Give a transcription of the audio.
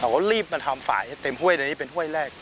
รีบมาทำฝ่ายให้เต็มห้วยในนี้เป็นห้วยแรก